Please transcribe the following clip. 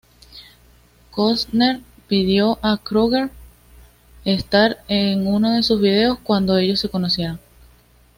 Costner pidió a Kroeger estar en uno de sus vídeos cuando ellos se conocieron.